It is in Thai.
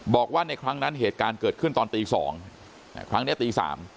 บอกว่าในครั้งนั้นเหตุการณ์เกิดขึ้นตอนตี๒ครั้งนี้ตี๓